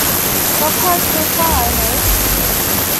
Not quite so far, I hope?